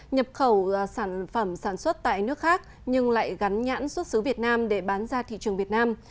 nhập khẩu sản phẩm sản xuất tại nước khác nhưng lại gắn nhãn xuất xứ việt nam để bán ra thị trường việt nam